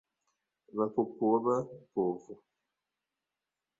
La popola povo.